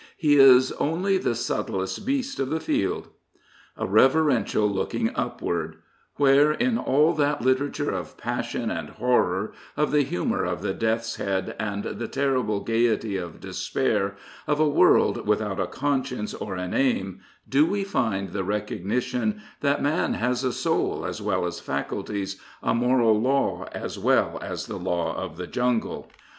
He is only the subtlest beast of the field." A reverential looking upward I Where in all that literature of passion and horror, of the humour of the death's head, and the terrible gaiety of despair, of a world " without a conscience or an aim," do we find the recognition that man has a soul as well as faculties, a moral law as well as the law of the jungle?